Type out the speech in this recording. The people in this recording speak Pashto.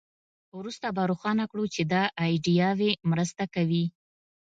وروسته به روښانه کړو چې دا ایډیاوې مرسته کوي